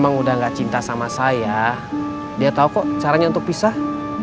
memang udah gak cinta sama saya dia tahu kok caranya untuk pisah